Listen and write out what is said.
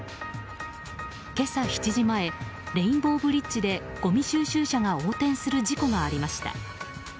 今朝７時前レインボーブリッジでごみ収集車が横転する事故がありました。